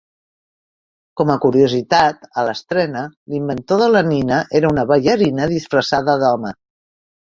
Com a curiositat, a l'estrena l'inventor de la nina era una ballarina disfressada d'home.